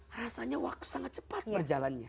rasanya waktu sangat cepat berjalannya